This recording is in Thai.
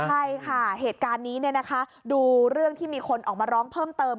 ใช่ค่ะเหตุการณ์นี้ดูเรื่องที่มีคนออกมาร้องเพิ่มเติม